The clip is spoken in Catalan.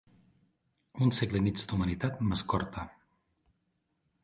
Un segle i mig d'humanitat m'escorta.